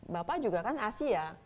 bapak juga kan asia